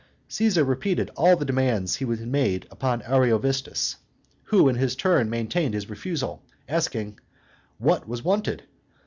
Caesar repeated all the demands he had made upon Ariovistus, who, in his turn, maintained his refusal, asking, "What was wanted?